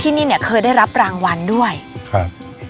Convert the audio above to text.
ที่นี่มีพื้นที่ทั้งหมดก็๑๒๐๐๐กว่าไร่